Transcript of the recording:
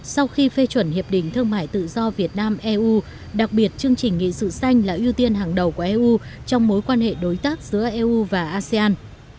sau khi phê chuẩn hiệp định thương mại tự do việt nam eu đặc biệt chương trình nghị sự xanh là ưu tiên hàng đầu của eu trong mối quan hệ đối tác giữa eu và asean